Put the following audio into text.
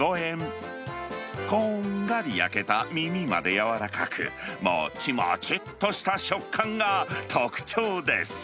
こんがり焼けた耳まで軟らかく、もちもちっとした食感が特徴です。